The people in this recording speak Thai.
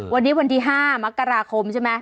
วันนี้วันที่๕มกราคมใช่ไหม